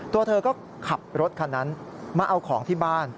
ตัวเธอก็ขับรถคันนั้นมาเอาของที่บ้าน